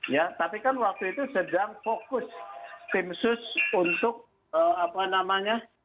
ya tapi kan waktu itu sedang fokus tim sus untuk apa namanya